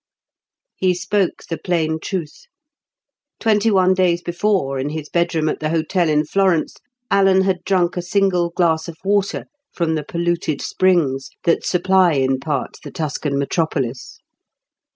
He spoke the plain truth. Twenty one days before in his bedroom at the hotel in Florence, Alan had drunk a single glass of water from the polluted springs that supply in part the Tuscan metropolis.